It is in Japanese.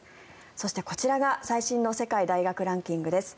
そしてこちらが最新の世界大学ランキングです。